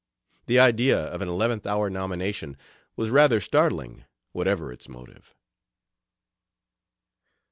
The idea of an eleventh hour nomination was rather startling, whatever its motive.